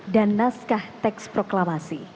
dan naskah teks proklamasi